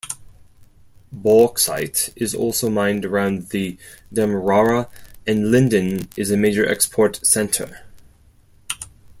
Bauxite is also mined around the Demerara, and Linden is a major export centre.